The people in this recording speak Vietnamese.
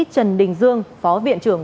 trần đình dương phó viện trưởng